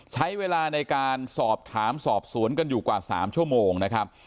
ใช้เวลาในการสอบถามสอบสวนกันอยู่กว่า๓ชั่วโมงนะครับ